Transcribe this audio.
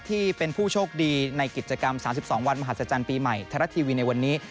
ที่เป็นผู้โชคดีในกิจกรรม๓๒วันมหัศจรรย์ปีใหม่ไทยรัฐทีวีในวันนี้